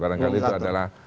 barangkali itu adalah